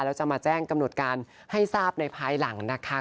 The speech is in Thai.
แล้วจะมาแจ้งกำหนดการให้ทราบในภายหลังนะคะ